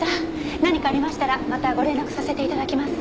何かありましたらまたご連絡させていただきます。